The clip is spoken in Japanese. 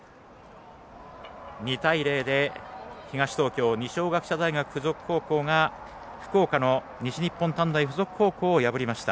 ２対０で、東東京二松学舎大付属高校が福岡の西日本短大付属高校を破りました。